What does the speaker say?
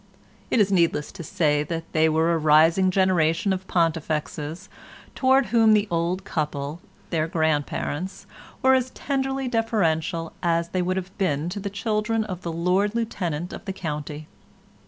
It is needless to say they were a rising generation of Pontifexes, towards whom the old couple, their grandparents, were as tenderly deferential as they would have been to the children of the Lord Lieutenant of the County.